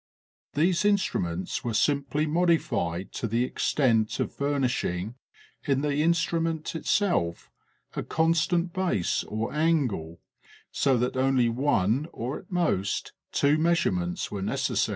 These instruments were simply modi fied to the extent of furnishing in the instrument itself a constant base or angle so that only one or at most two measurements were necessary.